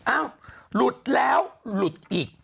อ้าวหลุดแล้วหลุดอีก